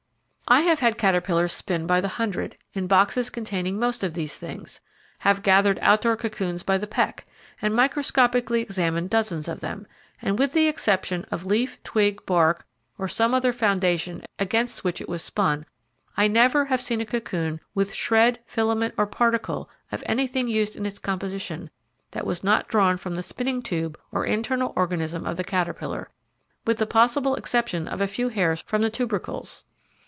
I have had caterpillars spin by the hundred, in boxes containing most of these things, have gathered outdoor cocoons by the peck, and microscopically examined dozens of them, and with the exception of leaf, twig, bark, or some other foundation against which it was spun, I never have seen a cocoon with shred, filament, or particle of anything used in its composition that was not drawn from the spinning tube or internal organism of the caterpillar, with the possible exception of a few hairs from the tubercles.